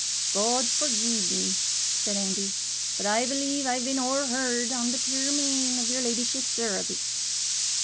"God forgie me," said Andy, "but I b'lieve I've been o'er hard on the puir man in your leddyship's service."